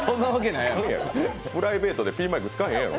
プライベート、ピンマイク使わへんやろ。